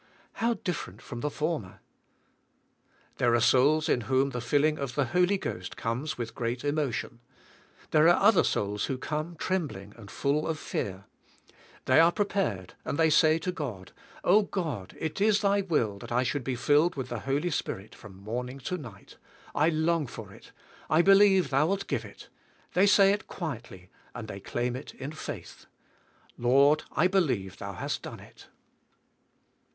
How different from the former I There are souls in whom the filling" of the Holy Ghost comes with great emotion There are other souls who come trem bling , and full of fear; they are prepared and they say to God, O God, it is Thy will that I should be filled with the Holy Spirit from morning to nig ht. I long for it. I believe Thou wilt g ive it. They say it quietly and they claim it in faith. Lord, I be lieve Thou hast done it.